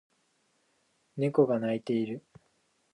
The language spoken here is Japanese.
猫が鳴いている